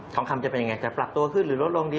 ทองคำจะเป็นยังไงจะปรับตัวขึ้นหรือลดลงดี